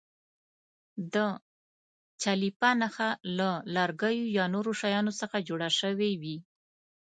د چلیپا نښه له لرګیو یا نورو شیانو څخه جوړه شوې وي.